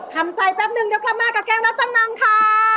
ทำใจแป๊บหนึ่งแล้วกลับมากับแก้วราคาจำนำค่ะ